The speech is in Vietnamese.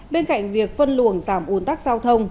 bên cạnh việc phân luồng giảm ồn tắc giao thông